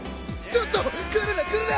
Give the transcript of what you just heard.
ちょっと来るな来るな！